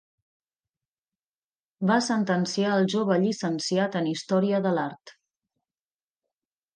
Va sentenciar el jove llicenciat en Història de l'Art—.